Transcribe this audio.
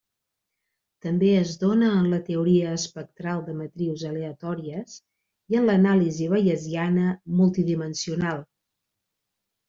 També es dóna en la teoria espectral de matrius aleatòries i en l'anàlisi bayesiana multidimensional.